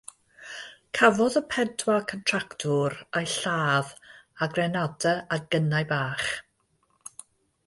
Cafodd y pedwar contractwr eu lladd â grenadau a gynnau bach.